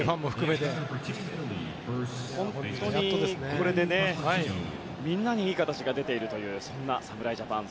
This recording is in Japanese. これでみんなにいい形が出ているという侍ジャパン。